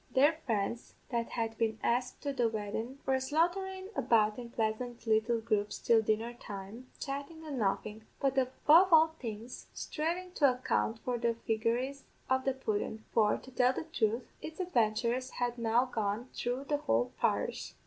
Their friends that had been asked to the weddin' were saunterin' about in pleasant little groups till dinner time, chattin' an' laughin'; but, above all things, sthrivin' to account for the figaries of the pudden; for, to tell the truth, its adventures had now gone through the whole parish.